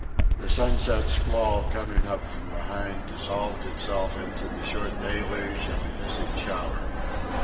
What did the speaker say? The sunset squall, coming up from behind, dissolved itself into the short deluge of a hissing shower.